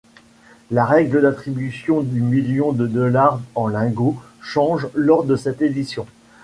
La règle d'attribution du million de dollars en lingots change lors de cette édition.